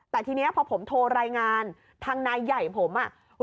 แต่ทีนี้พอผมโทรรายงานทางนายใหญ่ผมอ่ะ